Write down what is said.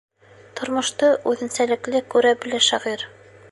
Тормошто үҙенсәлекле күрә белә шағир.